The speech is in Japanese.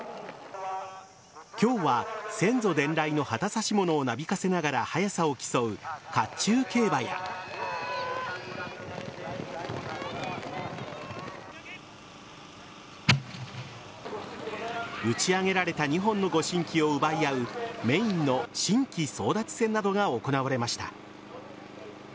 今日は先祖伝来の旗指物をなびかせながら速さを競う甲冑競馬や打ち上げられた２本の御神旗を奪い合うメインの神旗争奪戦などが行われました。